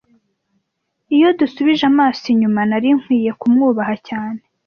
Iyo dusubije amaso inyuma, nari nkwiye kumwubaha cyane.